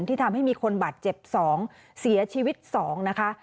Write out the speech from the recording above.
ที่ทำให้มีคนบาดเจ็บ๒เสียชีวิต๒นะคะ